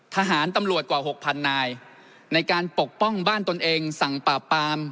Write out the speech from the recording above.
ทหารตำรวจกว่าหกพันนายในการปกป้องบ้านตนเองสั่งปราบปาม